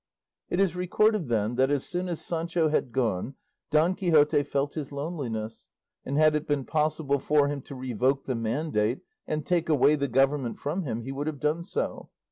It is recorded, then, that as soon as Sancho had gone, Don Quixote felt his loneliness, and had it been possible for him to revoke the mandate and take away the government from him he would have done so.